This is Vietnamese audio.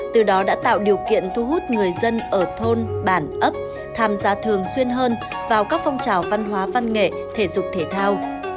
từ đó đã tạo điều kiện thu hút người dân ở thôn bản ấp tham gia thường xuyên hơn vào các phong trào văn hóa văn nghệ thể dục thể thao